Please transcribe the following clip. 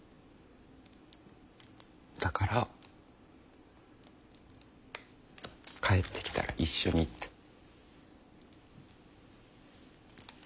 だから帰ってきたら一緒にって。